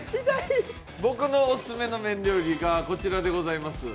僕のオススメの麺料理がこちらでございます。